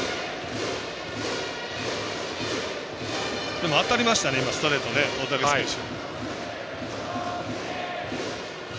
でも当たりましたね、ストレート大竹選手。